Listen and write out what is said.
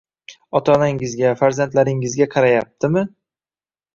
ota- onangizga, farzandlaringizga qarayaptimi